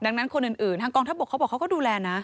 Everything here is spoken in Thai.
ดังนั้นคนอื่นทางกองทัพบกเขาบอกเขาก็ดูแลนะ